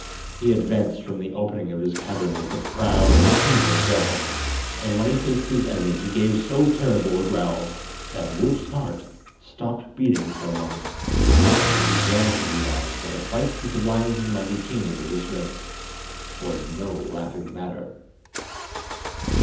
He advanced from the opening of his cavern with a proud and kingly bearing, and when he faced his enemy he gave so terrible a growl that Woof's heart stopped beating for a moment, and he began to realize that a fight with the wise and mighty king of his race was no laughing matter.